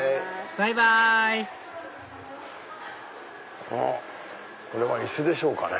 バイバイこれは椅子でしょうかね。